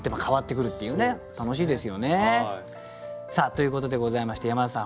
楽しいですよね。ということでございまして山田さん